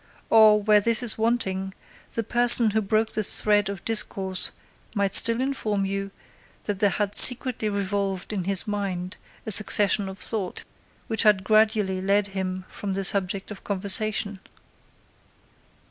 Or where this is wanting, the person who broke the thread of discourse might still inform you, that there had secretly revolved in his mind a succession of thought, which had gradually led him from the subject of conversation.